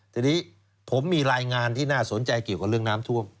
ทีนี้ผมมีรายงานที่น่าสนใจเกี่ยวกับเรื่องน้ำท่วม